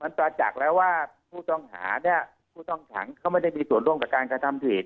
มันประจักษ์แล้วว่าผู้ต้องหาเนี่ยผู้ต้องขังเขาไม่ได้มีส่วนร่วมกับการกระทำผิด